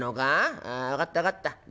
あ分かった分かった。